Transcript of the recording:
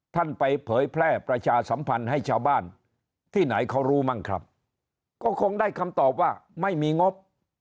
ท่านไปเผยแพร่ประชาสัมพันธ์ให้ชาวบ้านที่ไหนเขารู้มั่งครับก็คงได้คำตอบว่าไม่มีงบ